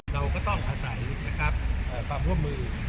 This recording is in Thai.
เราก็ต้องอาศัยความร่วมมือ